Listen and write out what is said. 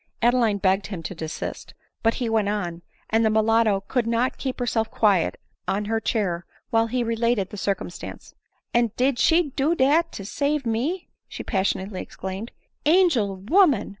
Adeline begged him to desist; but he went on; and the mulatto could not keep herself quiet cm her chair while he related the circumstance. " And did she do dat to save me ?" she passionately exclaimed ;" Angel woman